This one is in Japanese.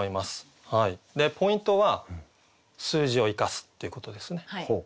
ポイントは「数字を生かす」っていうことですね。